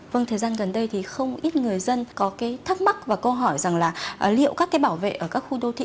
vâng thời gian gần đây thì không ít người dân có cái thắc mắc và câu hỏi rằng là liệu các cái bảo vệ ở các khu đô thị